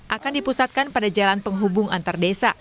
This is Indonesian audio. akan dipusatkan pada jalan penghubung antar desa